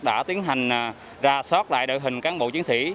đã tiến hành ra sót lại đội hình cán bộ chiến sĩ